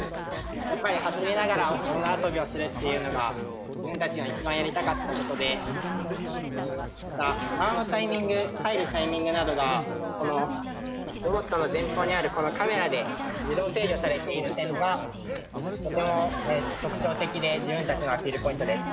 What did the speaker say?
やっぱり走りながら大縄跳びをするっていうのが自分たちの一番やりたかったことでまた縄のタイミング入るタイミングなどがこのロボットの前方にあるこのカメラで自動制御されている点がとても特徴的で自分たちのアピールポイントです。